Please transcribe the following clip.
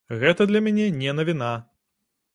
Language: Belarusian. Гэта для мяне не навіна.